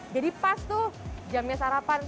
jadi pas tuh jamnya sarapan